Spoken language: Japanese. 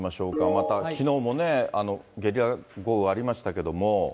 また、きのうもね、ゲリラ豪雨ありましたけども。